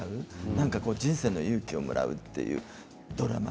なんか人生の勇気をもらうというドラマ